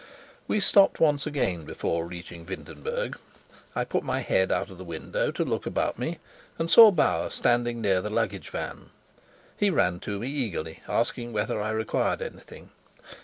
We stopped once again before reaching Wintenberg. I put my head out of the window to look about me, and saw Bauer standing near the luggage van. He ran to me eagerly, asking whether I required anything.